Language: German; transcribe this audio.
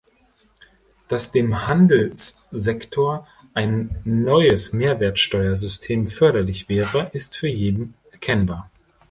Dass dem Handelssektor ein neues Mehrwertsteuersystem förderlich wäre, ist für jeden erkennbar.